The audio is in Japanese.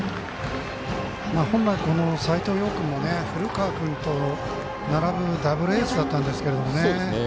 本来、斎藤蓉君も古川君と並ぶダブルエースったんですけどね。